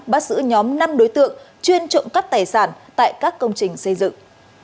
bắt giữ nhóm năm đối tượng chuyên trộm cắp tài sản tại các công trình xây dựng